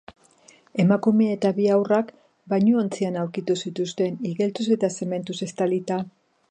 Emakumea eta bi haurrak bainuontzian aurkitu zituzten, igeltsuz eta zementuz estalita.